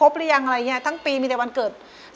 พกลงไป